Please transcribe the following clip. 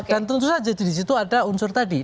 dan tentu saja di situ ada unsur tadi